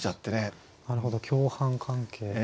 なるほど共犯関係。